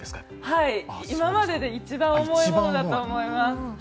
はい、今までで一番重いものだと思います。